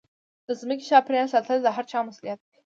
د ځمکې چاپېریال ساتل د هرچا مسوولیت دی.